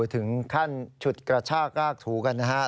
ถึงขั้นฉุดกระชากรากถูกันนะครับ